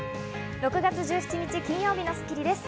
６月１７日、金曜日の『スッキリ』です。